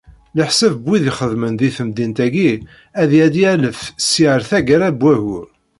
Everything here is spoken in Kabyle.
Leḥsab n wid ixeddmen di temdint-agi ad iεeddi alef sya ar taggara n waggur.